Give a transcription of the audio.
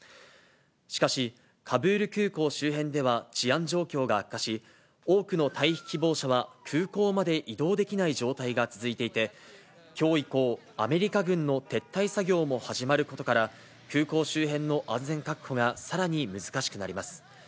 しかし、カブール空港周辺では治安状況が悪化し、多くの退避希望者は空港まで移動できない状態が続いていて、きょう以降、アメリカ軍の撤退作業も始まることから、空港周辺の安全確保がさらに難しくなります。